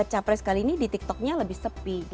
karena sampai sekali ini di tiktoknya lebih sepi gitu